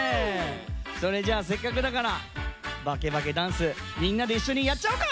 それじゃせっかくだからバケバケダンスみんなでいっしょにやっちゃおうか！